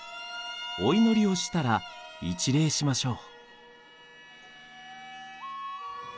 お祈りをしたら一礼しましょう。